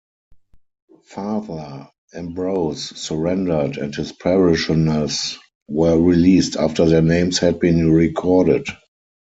Father Ambrose surrendered, and his parishioners were released after their names had been recorded.